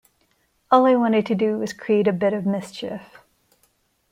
All I wanted to do was create a bit of mischief.